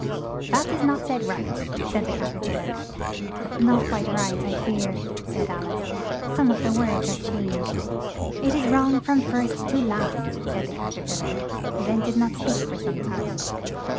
'" "That is not said right," said the Cat er pil lar. "Not quite right, I fear," said Al ice, "some of the words are changed." "It is wrong from first to last," said the Cat er pil lar; then did not speak for some time.